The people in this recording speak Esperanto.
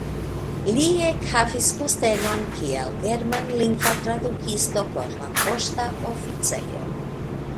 Li ekhavis postenon kiel germanlingva tradukisto por la poŝta oficejo.